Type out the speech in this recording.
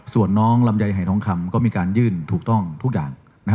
ส่วนน้องลำไยหายทองคำก็มีการยื่นถูกต้องทุกอย่าง